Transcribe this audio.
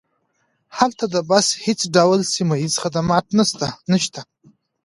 هلته د بس هیڅ ډول سیمه ییز خدمات نشته